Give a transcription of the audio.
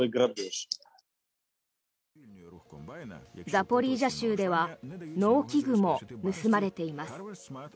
ザポリージャ州では農機具も盗まれています。